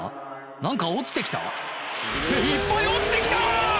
何か落ちて来た？っていっぱい落ちて来た！